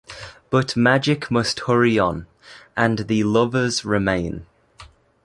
But magic must hurry on, and the lovers remain.